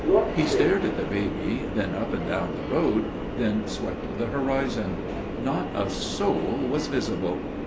He stared at the baby, then up and down the road, then swept the horizon. Not a soul was visible.